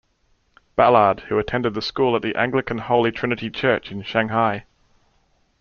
Ballard, who attended the school at the Anglican Holy Trinity Church in Shanghai.